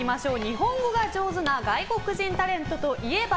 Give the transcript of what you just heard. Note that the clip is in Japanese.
日本語が上手な外国人タレントといえば？